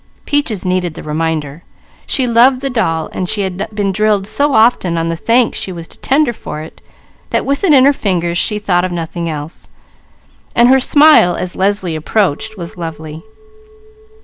_" Peaches needed the reminder. She loved the doll. She had been drilled so often on the thanks she was to tender for it, that with it in her fingers she thought of nothing else, so her smile as Leslie approached was lovely.